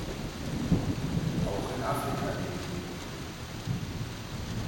Auch in Afrika leben Pinguine.